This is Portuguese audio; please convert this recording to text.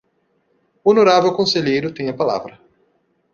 O honorável conselheiro tem a palavra.